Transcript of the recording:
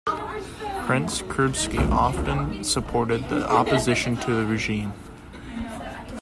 Prince Kurbsky often supported the opposition to the regime.